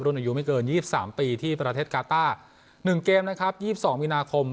รุ่นอายุไม่เกินยี่สิบสามปีที่ประเทศกาต้าหนึ่งเกมนะครับยี่สิบสองมีนาคม